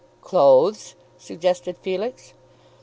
"Clothes," suggested Felix.